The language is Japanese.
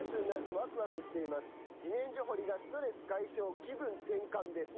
「自然薯掘りがストレス解消気分転換です」